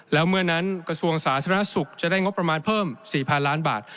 แล้วเมื่อนั้นกระทรวงสาธารณสุขจะได้งบประมาณเพิ่ม๔๐๐๐ล้านบาท